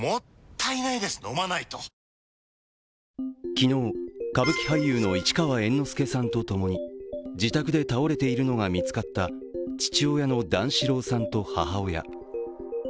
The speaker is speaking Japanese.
昨日、歌舞伎俳優の市川猿之助さんとともに自宅で倒れているのが見つかった父親の段四郎さんと母親。